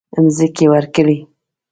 مځکې ورکړې.